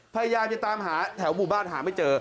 พยายามจะตามหาแถวหมู่บ้านหาไม่เจอ